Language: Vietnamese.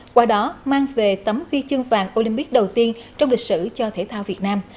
qua đó mang về tấm huy chương vàng olympic đầu tiên trong lịch sử cho thể thao việt nam